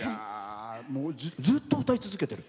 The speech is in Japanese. ずっと歌い続けてる？